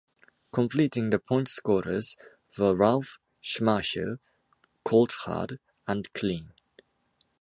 Completing the pointscorers were Ralf Schumacher, Coulthard and Klien.